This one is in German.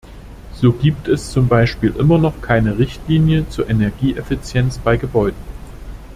So gibt es zum Beispiel immer noch keine Richtlinie zur Energieeffizienz bei Gebäuden.